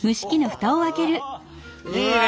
おいいね！